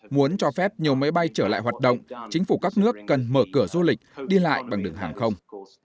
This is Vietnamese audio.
muốn cho phép nhiều máy bay trở lại hoạt động chính phủ các nước cần mở cửa du lịch đi lại bằng đường hàng không